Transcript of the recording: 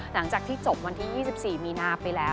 หลังจากที่จบวันที่๒๔มีนาไปแล้ว